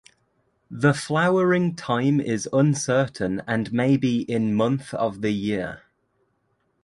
The flowering time is uncertain and may be in month of the year.